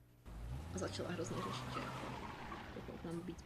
Třetí výtah slouží potřebám personálu.